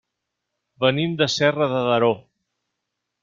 Venim de Serra de Daró.